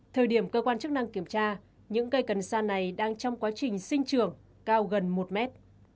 thời điểm cơ quan chức năng kiểm tra những cây cần sa này đang trong quá trình sinh trường cao gần một mét